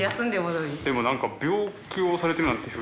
でも何か病気をされてるなんてふうには。